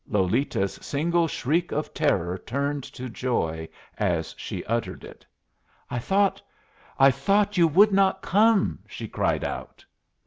Lolita's single shriek of terror turned to joy as she uttered it. "I thought I thought you would not come!" she cried out.